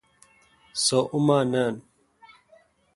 سو اوماں نان